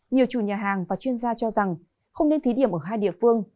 nhiều chủ nhà hàng và chuyên gia cho rằng không nên thí điểm ở hai địa phương